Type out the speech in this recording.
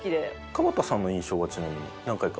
河田さんの印象はちなみに何回か。